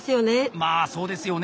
まあそうですよね。